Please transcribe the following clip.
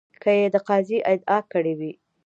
که یې د قاضي ادعا کړې وي.